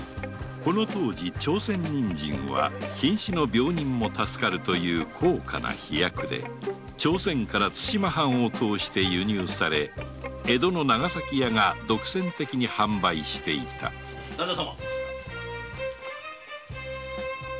この当時「朝鮮人参」はひん死の病人も助かるという高価な秘薬で朝鮮から対馬藩を通して輸入され江戸の長崎屋が独占的に販売していた旦那様。